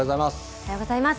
おはようございます。